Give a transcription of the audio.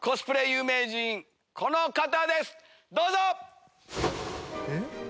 有名人この方ですどうぞ！